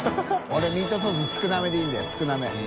ミートソース少なめでいいんだよ少なめ。